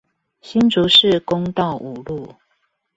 新竹市公道五路